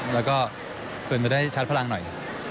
แล้วก็เป็นไปได้ชาร์จพลังหน่อย